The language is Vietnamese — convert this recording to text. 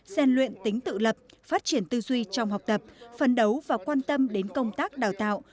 xen luyện tính tự lập phát triển tư duy trong học tập phấn đấu và quan tâm đến công tác đào tạo